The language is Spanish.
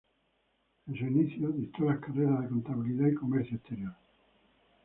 En sus inicios dictó las carreras de contabilidad y comercio exterior.